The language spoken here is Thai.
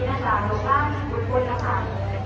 อยากระพัดพิษที่ออกไป